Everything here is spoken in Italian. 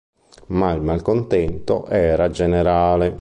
Ma il malcontento era generale.